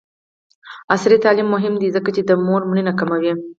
عصري تعلیم مهم دی ځکه چې د مور مړینه کموي.